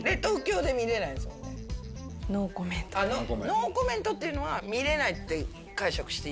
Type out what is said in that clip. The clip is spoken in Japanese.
「ノーコメント」っていうのは見れないって解釈していい？